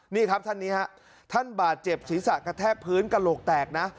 นี่ครับท่านนี้ฮะท่านบาดเจ็บศีรษะกระแทกพื้นกระโหลกแตกนะ